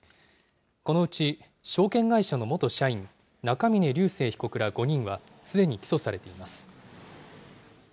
このうち証券会社の元社員、中峯竜晟被告ら５人は、すでに起訴されています。